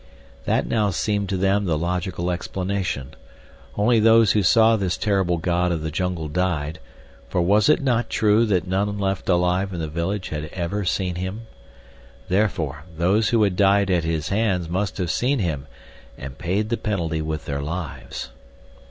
That now seemed to them the logical explanation. Only those who saw this terrible god of the jungle died; for was it not true that none left alive in the village had ever seen him? Therefore, those who had died at his hands must have seen him and paid the penalty with their lives.